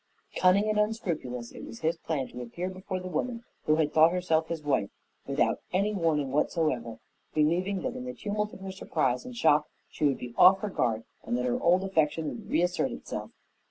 Cunning and unscrupulous, it was his plan to appear before the woman who had thought herself his wife, without any warning whatever, believing that in the tumult of her surprise and shock she would be off her guard and that her old affection would reassert itself.